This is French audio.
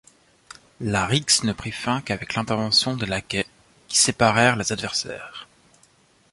La rixe ne prit fin qu'avec l'intervention des laquais, qui séparèrent les adversaires.